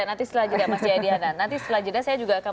mas jayadi nanti setelah jeda saya juga akan